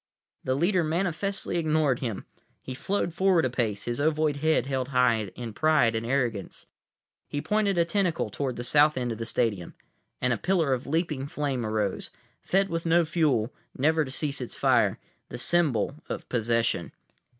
The leader manifestly ignored him. He flowed forward a pace, his ovoid head held high in pride and arrogance. He pointed a tentacle toward the south end of the stadium, and a pillar of leaping flame arose; fed with no fuel, never to cease its fire, the symbol of possession.